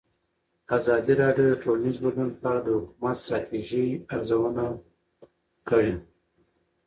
ازادي راډیو د ټولنیز بدلون په اړه د حکومتي ستراتیژۍ ارزونه کړې.